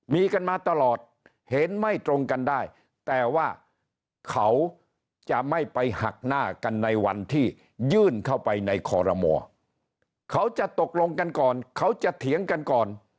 มีกันมาตลอดเห็นไม่ตรงกันได้แต่ว่าเขาจะไม่ไปหักหน้ากันในวันที่ยื่นเข้าไปในคอรมอเขาจะตกลงกันก่อนเขาจะเถียงกันก่อน